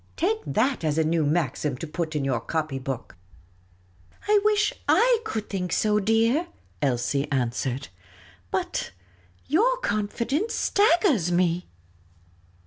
Take that as a new maxim to put in your copy book !"" I wish I could think so, dear," Elsie answered. " But your confidence staggers me."